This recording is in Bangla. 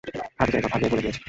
খাদিজা একথা আগেই বলে দিয়েছে।